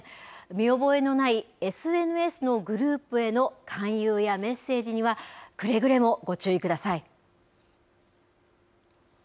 見覚えのないＳＮＳのグループへの勧誘やメッセージにはくれぐれもご注意ください。